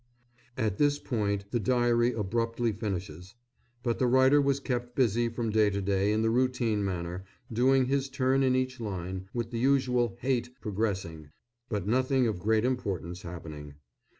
(At this point the diary abruptly finishes; but the writer was kept busy from day to day in the routine manner, doing his turn in each line, with the usual "hate" progressing, but nothing of great importance happening.